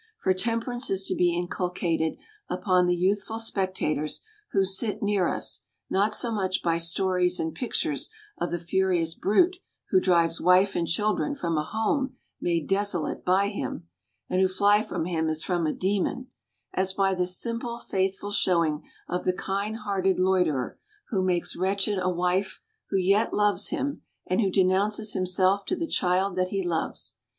For temperance is to be inculcated upon the youthful spectators who sit near us not so much by stories and pictures of the furious brute who drives wife and children from a home made desolate by him, and who fly from him as from a demon, as by this simple, faithful showing of the kind hearted loiterer who makes wretched a wife who yet loves him, and who denounces himself to the child that he loves.